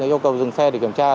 yêu cầu dừng xe để kiểm tra